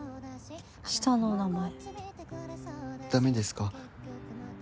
下の名前ダメですか？